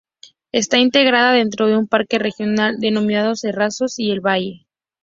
Está integrada dentro de un parque regional denominado Carrascoy y El Valle.